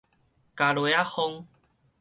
鉸螺仔風